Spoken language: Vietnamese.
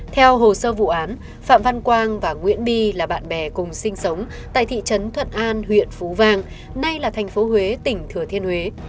theo hồ sơ vụ án phạm văn quang và nguyễn bi là bạn bè cùng sinh sống tại thị trấn thuận an huyện phú vang nay là thành phố huế tỉnh thừa thiên huế